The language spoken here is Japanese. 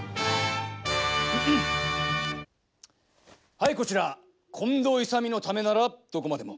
はいこちら近藤勇のためならどこまでも。